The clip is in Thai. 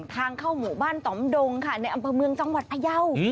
ทางเข้าหมู่บ้านต่อมดงค่ะในอำเภอเมืองจังหวัดพยาว